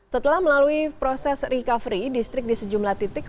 setelah melalui proses recovery distrik di sejumlah titik